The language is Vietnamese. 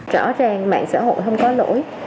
rõ ràng mạng xã hội không có lỗi